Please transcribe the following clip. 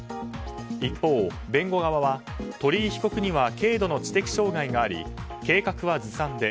一方、弁護側は鳥井被告には軽度の知的障害があり計画はずさんで